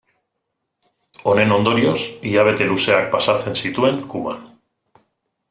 Honen ondorioz, hilabete luzeak pasatzen zituen Kuban.